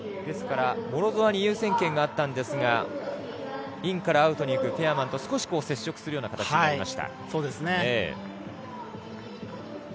ですから、モロゾワに優先権があったんですがインからアウトに行くペアマンと少し接触するような形になりました。